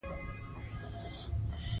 مسلکي کسان د هېواد سرمايه ده.